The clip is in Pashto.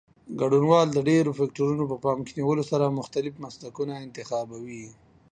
ګډونوال د ډېرو فکټورونو په پام کې نیولو سره مختلف مسلکونه انتخابوي.